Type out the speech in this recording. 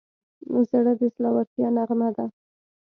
زړه د زړورتیا نغمه ده.